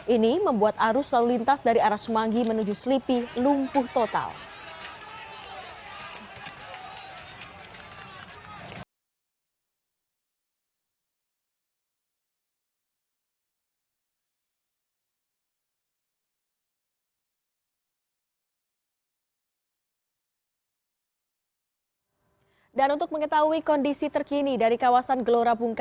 ini membuat arus lalu lintas dari arah semanggi menuju selipi lumpuh total